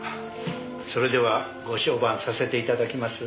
それではご相伴させていただきます。